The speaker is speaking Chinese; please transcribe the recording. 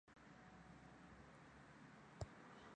乾隆五十二年署荣县贡井县丞。